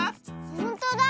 ほんとだ！